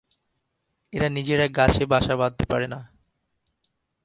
এরা নিজেরা গাছে বাসা বাঁধতে পারে না।